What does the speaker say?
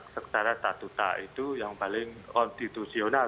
secara statuta itu yang paling konstitusional